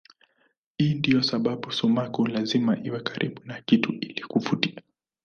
Hii ndiyo sababu sumaku lazima iwe karibu na kitu ili kuvutia.